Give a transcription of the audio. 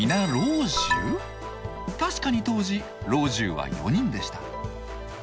確かに当時老中は４人でした。